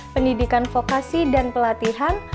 pendidikan vokasi dan pelatihan